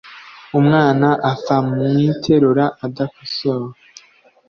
Umwana apfa mu iterura adakosowe